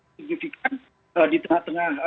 signifikan di tengah tengah